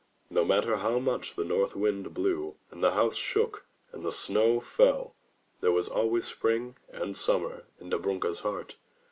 No matter how much the North wind blew, and the house shook, and the snow fell — there was always spring and summer in Dobrunka's heart.